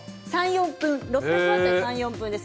６００ワット３、４分です。